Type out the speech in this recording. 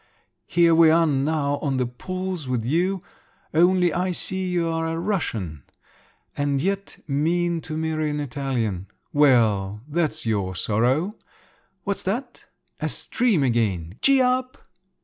Here we are now, on the pools with you. Only, I see, you're a Russian, and yet mean to marry an Italian. Well, that's your sorrow. What's that? A stream again! Gee up!"